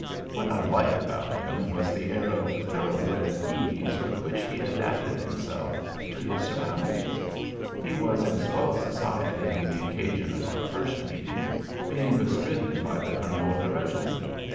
What I liked about him was the air of thoroughbred ease with which he adapted himself to his surroundings. He was in swell society on the occasion of our first meeting, being bestridden by the colonel of the regiment.